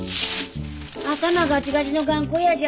頭ガチガチの頑固おやじやで。